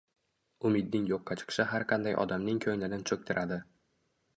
Umidning yo`qqa chiqishi har qanday odamning ko`nglinin cho`ktiradi